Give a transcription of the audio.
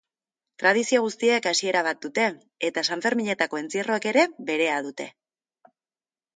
Tradizio guztiek hasiera bat dute eta sanferminetako entzierroek ere berea dute.